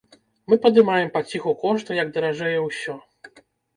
Мы падымаем паціху кошты, як даражэе ўсё.